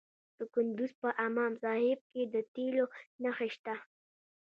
د کندز په امام صاحب کې د تیلو نښې شته.